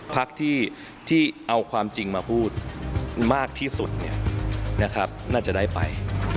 พักที่เอาความจริงมาพูดมากที่สุดน่าจะได้ไป